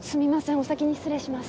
お先に失礼します。